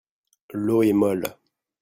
L'eau est molle.